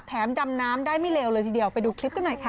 ดำน้ำได้ไม่เลวเลยทีเดียวไปดูคลิปกันหน่อยค่ะ